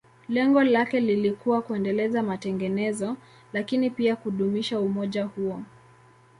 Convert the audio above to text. Lengo lake lilikuwa kuendeleza matengenezo, lakini pia kudumisha umoja huo.